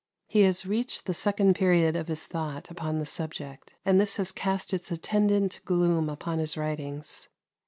He has reached the second period of his thought upon the subject, and this has cast its attendant gloom upon his writings.